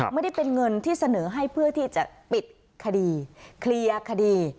ไม่ได้เป็นเงินที่เสนอให้เพื่อที่จะปิดคดีเคลียร์คดี